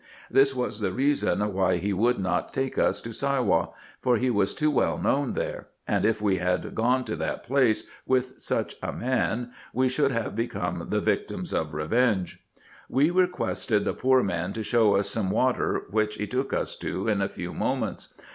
This was the reason why he would not take us to Siwah, for he was too well known there ; and if we had gone to that place with such a man, we should have become the IN EGYPT, NUBIA, kc. 429 victims of revenge. We requested the poor man to show us some water, which he took us to in a few moments.